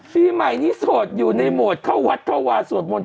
ปีใหม่นี้โสดอยู่ในโหมดเข้าวัดเข้าวาสวดมนต